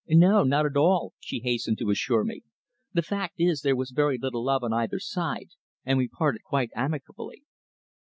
"No, not at all," she hastened to assure me. "The fact is there was very little love on either side, and we parted quite amicably."